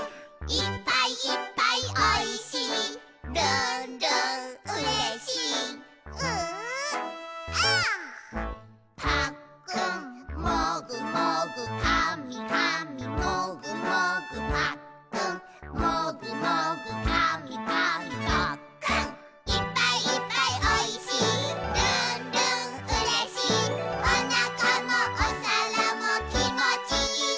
「いっぱいいっぱいおいしいるんるんうれしい」「おなかもおさらもきもちいい」